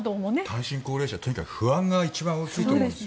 単身高齢者はとにかく不安が一番大きいと思います。